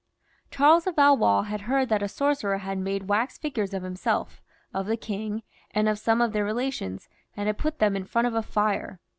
Charles of Valois had heard that a sorcerer had made wax figures of himself, of the king, and of some of their relations, and had put them in front of a fire.